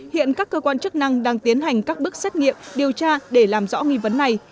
hiện các cơ quan chức năng đang tiến hành các bước xét nghiệm điều tra để làm rõ nghi vấn này